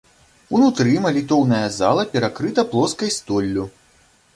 Унутры малітоўная зала перакрыта плоскай столлю.